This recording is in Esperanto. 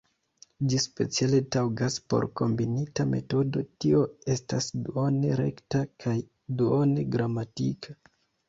Ĝi speciale taŭgas por kombinita metodo, tio estas duone rekta kaj duone gramatika.